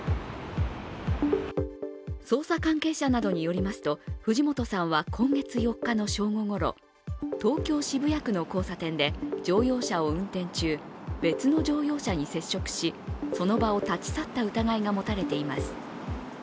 捜査関係者などによりますと藤本さんは今月４日の正午ごろ、東京・渋谷区の交差点で乗用車を運転中、別の乗用車に接触し、その場を立ち去った疑いが持たれています。